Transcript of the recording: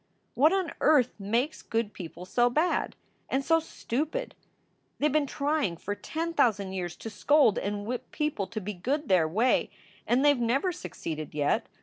"What on earth makes good people so bad? and so stupid ? They ve been trying for ten thousand years to scold and whip people to be good their way, and they ve never succeeded yet.